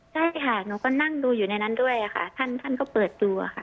ใช่ค่ะหนูก็นั่งดูอยู่ในนั้นด้วยค่ะท่านก็เปิดดูค่ะ